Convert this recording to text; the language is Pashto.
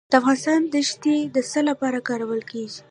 د افغانستان دښتې د څه لپاره کارول کیږي؟